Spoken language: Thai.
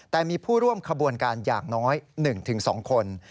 แต่มีผู้ร่วมขบวนการอย่างน้อย๑๒คน